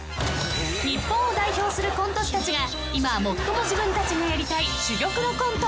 ［日本を代表するコント師たちが今最も自分たちがやりたい］